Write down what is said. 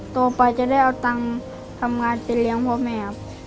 โตไปจะได้เอาตังค์ทำงานไปเลี้ยงพ่อแม่ครับ